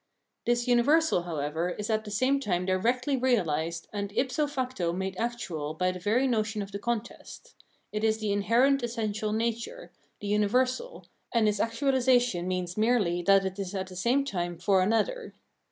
This universal, however, is at the same time directly realised and if so facto made actual by the very notion of the contest ; it is the inherent essential nature, the "universal," and its actualisation means merely that it is at the same time for an other.